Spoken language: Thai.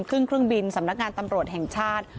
เครื่องบินสำนักงานตำรวจแห่งชาติ